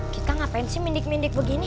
kita ngapain sih mendek mendek begini